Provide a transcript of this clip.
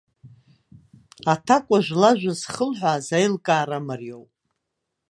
Аҭакәажә лажәа зхылҳәааз аилкаара мариоуп.